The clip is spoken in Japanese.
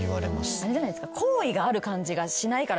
あれじゃないですか？